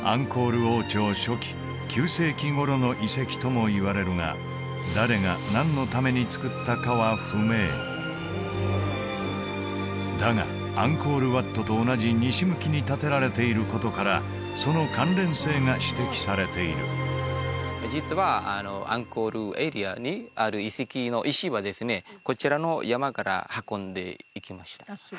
王朝初期９世紀頃の遺跡ともいわれるが誰が何のために造ったかは不明だがアンコール・ワットと同じ西向きに建てられていることからその関連性が指摘されている実はアンコールエリアにある遺跡の石はですねこちらの山から運んでいきました